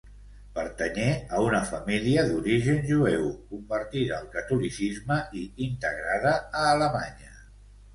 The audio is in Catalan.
Pertanyé a una família d'origen jueu, convertida al catolicisme i integrada a Alemanya.